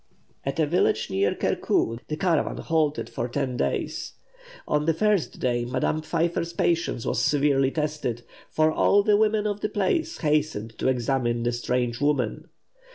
At a village near Kerku the caravan halted for ten days. On the first day Madame Pfeiffer's patience was severely tested; for all the women of the place hastened to examine "the strange woman."